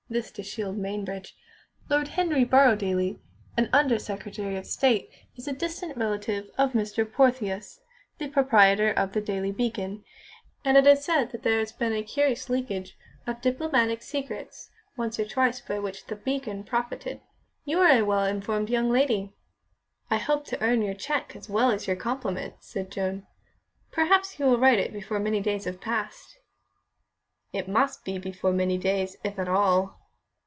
(This to shield Mainbridge.) "Lord Henry Borrowdaile, an Under Secretary of State, is a distant relative of Mr. Portheous, the proprietor of The Daily Beacon, and it is said that there has been a curious leakage of diplomatic secrets, once or twice, by which The Beacon profited." "You are a well informed young lady." "I hope to earn your cheque as well as your compliment," said Joan. "Perhaps you will write it before many days have passed." "It must be before many days, if at all."